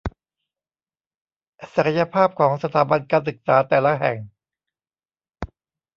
ศักยภาพของสถาบันการศึกษาแต่ละแห่ง